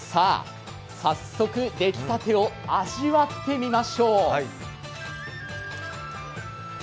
早速、出来たてを味わってみましょう。